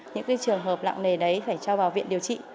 những trường hợp nặng nề đấy phải cho vào viện điều trị